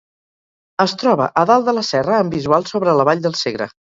Es troba a dalt de la serra amb visual sobre la vall del Segre.